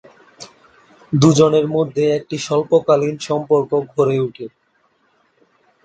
দু’জনের মধ্যে একটি স্বল্পকালীন সম্পর্ক গড়ে ওঠে।